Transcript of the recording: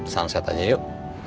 sunset aja yuk